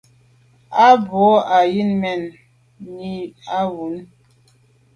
À bə α̂ wə Yə̂n mɛ̀n nî bə α̂ wə.